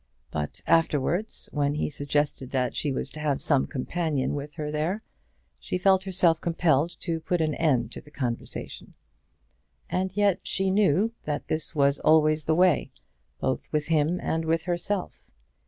But afterwards, when he suggested that she was to have some companion with her there, she felt herself compelled to put an end to the conversation. And yet she knew that this was always the way, both with him and with herself.